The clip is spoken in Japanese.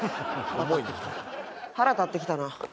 腹立ってきたな。